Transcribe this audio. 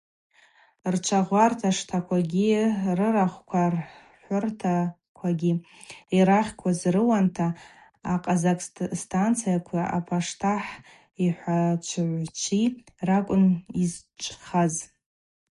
Рчвагъварта штаквагьи рырахвква рхӏвыртаквагьи, йрагъькваз йрыуанта, акъазакъ станицакви апаштахӏ йхӏвачӏвыгӏвчви ракӏвын йызчӏвхаз.